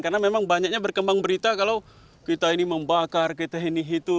karena memang banyaknya berkembang berita kalau kita ini membakar kita ini itu